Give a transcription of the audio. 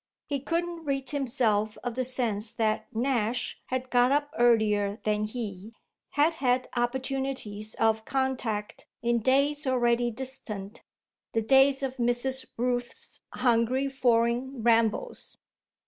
He couldn't rid himself of the sense that Nash had got up earlier than he, had had opportunities of contact in days already distant, the days of Mrs. Rooth's hungry foreign rambles.